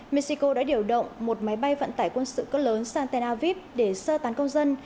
mexico đã điều động một máy bay vận tải quân sự cất lớn santana vip để sơ tán công dân